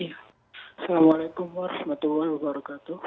assalamualaikum warahmatullahi wabarakatuh